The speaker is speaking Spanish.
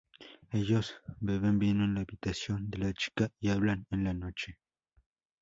Ellos beben vino en la habitación de la chica y hablan en la noche.